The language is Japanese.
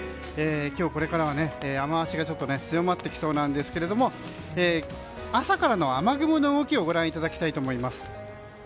今日これからは雨脚がちょっと強まってきそうですが朝からの雨雲の動きをご覧いただきたいと思います。